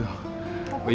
kau mau ngapain